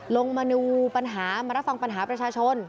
มาดูปัญหามารับฟังปัญหาประชาชน